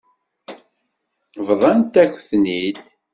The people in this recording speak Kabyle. Bḍant-ak-ten-id.